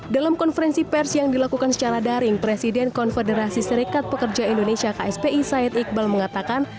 dalam konferensi pers yang dilakukan secara daring presiden konfederasi serikat pekerja indonesia kspi said iqbal mengatakan